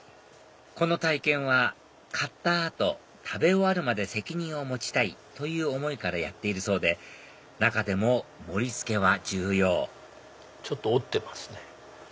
この体験は買った後食べ終わるまで責任を持ちたいという思いからやっているそうで中でも盛り付けは重要ちょっと折ってますね。